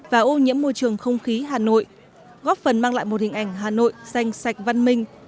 và ô nhiễm môi trường không khí hà nội góp phần mang lại một hình ảnh hà nội xanh sạch văn minh